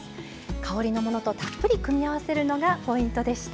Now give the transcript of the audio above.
香りのものとたっぷり組み合わせるのがポイントでした。